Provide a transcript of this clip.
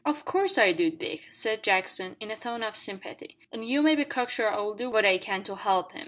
"Of course I do, Dick," said Jackson, in a tone of sympathy; "an' you may be cock sure I'll do what I can to help 'im.